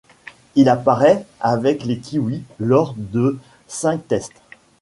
Il apparaît avec les Kiwis lors de cinq tests.